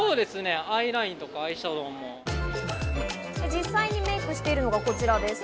実際にメイクしているのがこちらです。